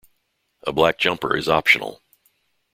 A black jumper is optional.